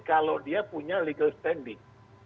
kalau dia punya legal standing